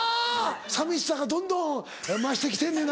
寂しさがどんどん増して来てんねんな。